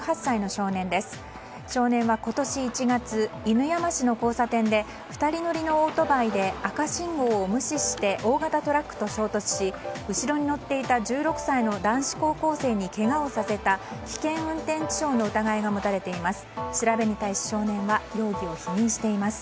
少年は今年１月犬山市の交差点で２人乗りのオートバイで赤信号を無視して大型トラックと衝突し後ろに乗っていた１６歳の男子高校生にけがをさせた、危険運転致傷の疑いが持たれています。